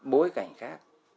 bối cảnh khác